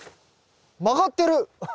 曲がってる。